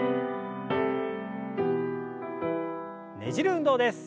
ねじる運動です。